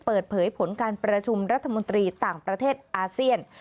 เปิดเผยผลการประชุมรัฐมนตรีต่างประเทศอาเซียน